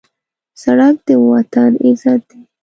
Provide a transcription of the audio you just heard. سړک د وطن عزت دی.